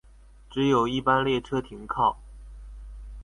只有一般列车停靠。